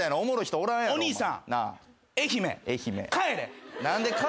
お客さん